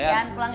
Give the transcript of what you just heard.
dian pulang ya